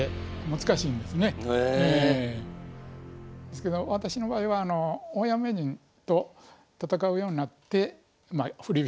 ですけど私の場合は大山名人と戦うようになって振り